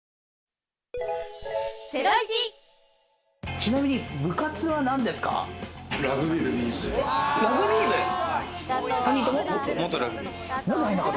ちなみに部活は何ですか？